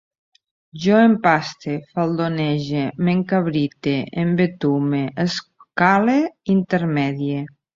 Jo empaste, faldonege, m'encabrite, embetume, escale, intermedie